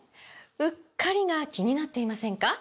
“うっかり”が気になっていませんか？